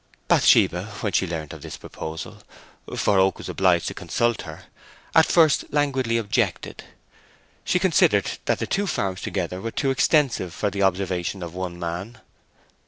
Bathsheba, when she learnt of this proposal—for Oak was obliged to consult her—at first languidly objected. She considered that the two farms together were too extensive for the observation of one man.